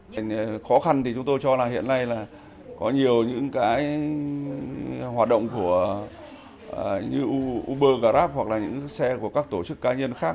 khó khăn thì chúng tôi cho là hiện nay là có nhiều những cái hoạt động của uber grab hoặc là những xe của các tổ chức cá nhân khác